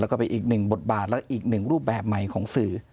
แล้วก็เป็นอีกหนึ่งบทบาทและอีกหนึ่งรูปแบบใหม่ของสื่อ